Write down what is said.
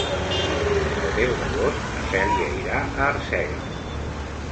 El deu d'agost na Cèlia irà a Arsèguel.